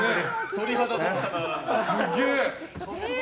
鳥肌立ったな。